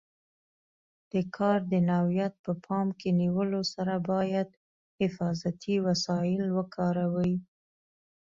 د کار د نوعیت په پام کې نیولو سره باید حفاظتي وسایل وکاروي.